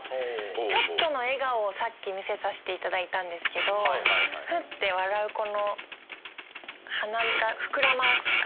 ちょっとの笑顔をさっき見せていただいたんですけどふって笑うこの。